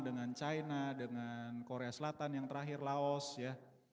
dengan china dengan korea selatan yang terakhir laos ya